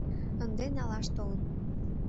Ынде налаш толын.